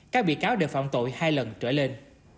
các bị cáo đều phạm tội hai lần trở lên